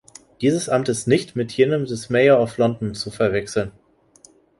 Dieses Amt ist nicht mit jenem des Mayor of London zu verwechseln.